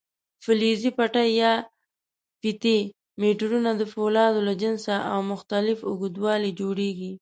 فلزي پټۍ یا فیتې میټرونه د فولادو له جنسه او مختلف اوږدوالي جوړېږي.